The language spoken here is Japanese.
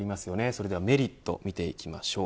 それではメリット見ていきましょう。